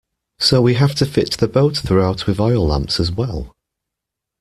So we have to fit the boat throughout with oil lamps as well.